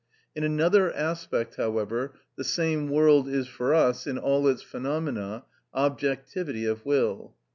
In another aspect, however, the same world is for us, in all its phenomena, objectivity of will.